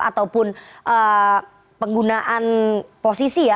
ataupun penggunaan posisi ya